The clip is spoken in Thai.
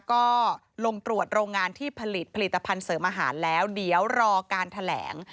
ก็ลงตรวจโรงงานที่ผลิตผลิตภัณฑ์เสริมอาหารแล้วเดี๋ยวรอการแถลง